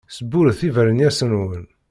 Sburret ibeṛnyas-nwen.